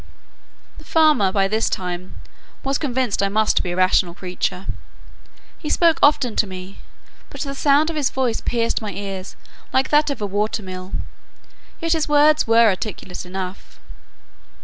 The farmer, by this time, was convinced I must be a rational creature. He spoke often to me; but the sound of his voice pierced my ears like that of a water mill, yet his words were articulate enough.